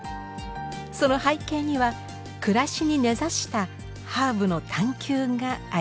その背景には暮らしに根ざしたハーブの探求がありました。